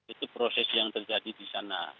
itu proses yang terjadi di sana